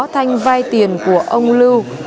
thanh vai tiền của ông lưu